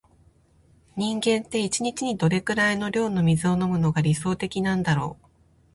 人間って、一日にどれくらいの量の水を飲むのが理想的なんだろう。